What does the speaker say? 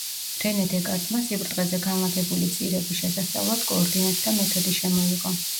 რენე დეკარტმა სიბრტყეზე განლაგებული წირების შესასწავლად კოორდინატთა მეთოდი შემოიღო.